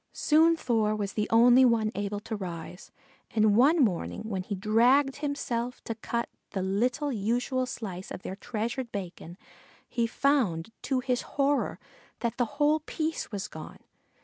Soon Thor was the only one able to rise, and one morning when he dragged himself to cut the little usual slice of their treasured bacon he found, to his horror, that the whole piece was gone.